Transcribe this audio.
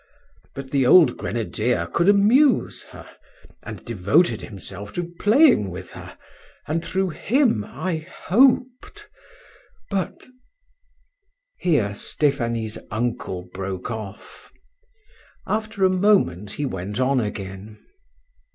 But the old grenadier could amuse her, and devoted himself to playing with her, and through him I hoped; but " here Stephanie's uncle broke off. After a moment he went on again.